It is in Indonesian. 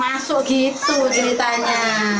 masuk gitu ceritanya